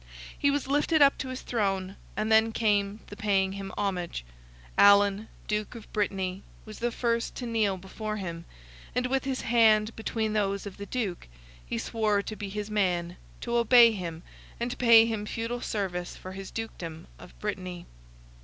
He was lifted up to his throne, and then came the paying him homage; Alan, Duke of Brittany, was the first to kneel before him, and with his hand between those of the Duke, he swore to be his man, to obey him, and pay him feudal service for his dukedom of Brittany.